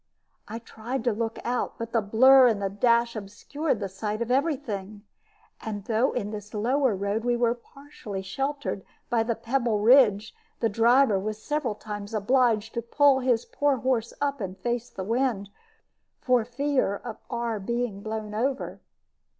I tried to look out, but the blur and the dash obscured the sight of every thing. And though in this lower road we were partly sheltered by the pebble ridge, the driver was several times obliged to pull his poor horse up and face the wind, for fear of our being blown over.